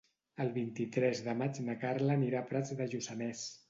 El vint-i-tres de maig na Carla anirà a Prats de Lluçanès.